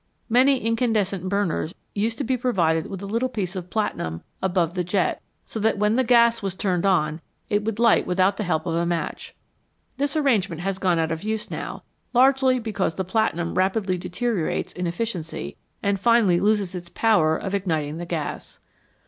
Many incandescent burners used to be provided with a little piece of platinum above the jet, so that when the gas was turned on, it would light without the help of a match. This arrangement has gone out of use now, largely because the platinum rapidly deteriorates in efficiency and finally loses its power of igniting the gas.